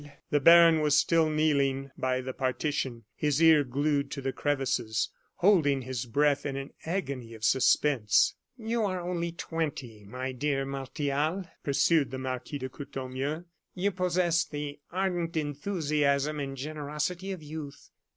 The baron was still kneeling by the partition, his ear glued to the crevices, holding his breath in an agony of suspense. "You are only twenty, my dear Martial," pursued the Marquis de Courtornieu; "you possess the ardent enthusiasm and generosity of youth.